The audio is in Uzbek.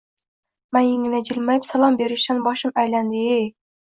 Mayingina jilmayib, salom berishidan boshim aylandi-ey